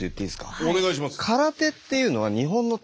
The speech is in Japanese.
お願いします。